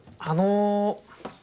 あの。